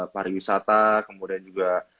pariwisata kemudian juga